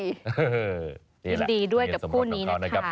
ยินดีด้วยกับคู่นี้นะครับ